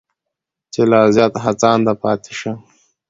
چې لا زیات هڅانده پاتې شم.